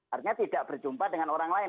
artinya tidak berjumpa dengan orang lain